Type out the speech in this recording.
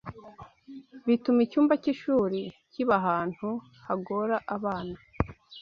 bituma icyumba cy’ishuri kiba ahantu hagora abana,